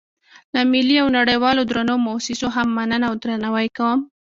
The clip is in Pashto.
له ملي او نړیوالو درنو موسسو هم مننه او درناوی کوم.